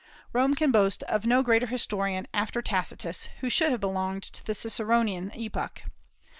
Rome can boast of no great historian after Tacitus, who should have belonged to the Ciceronian epoch.